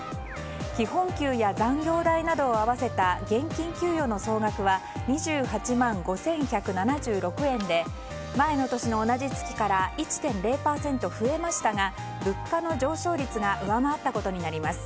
基本給や残業代などを合わせた現金給与の総額は２８万５１７６円で前の年の同じ月から１．０％増えましたが物価の上昇率が上回ったことになります。